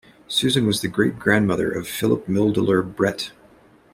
Susan was the great-grandmother of Philip Milledoler Brett.